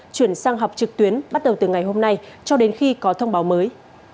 chuyển sang học trực tuyến bắt đầu từ ngày hôm nay cho đến khi có thông báo mới